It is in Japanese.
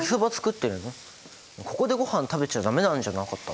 ここでごはん食べちゃ駄目なんじゃなかったの？